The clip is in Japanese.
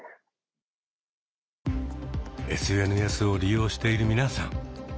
ＳＮＳを利用している皆さん